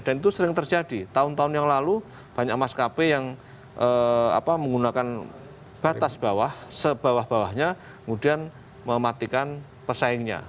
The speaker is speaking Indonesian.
dan itu sering terjadi tahun tahun yang lalu banyak maskapai yang menggunakan batas bawah se bawah bawahnya kemudian mematikan pesaingnya